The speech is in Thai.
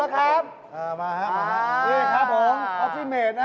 มาครับนี่ครับผมออฟฟิเมดนะฮะ